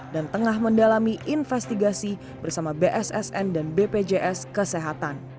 tengah mendalami investigasi bersama bssn dan bpjs kesehatan